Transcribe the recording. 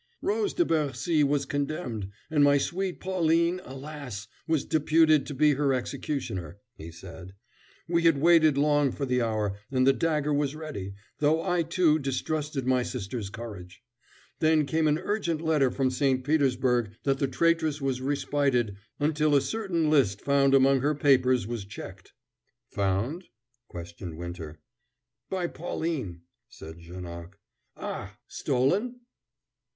"Rose de Bercy was condemned, and my sweet Pauline, alas! was deputed to be her executioner," he said. "We had waited long for the hour, and the dagger was ready, though I, too, distrusted my sister's courage. Then came an urgent letter from St. Petersburg that the traitress was respited until a certain list found among her papers was checked " "Found?" questioned Winter. "By Pauline," said Janoc. "Ah, stolen?"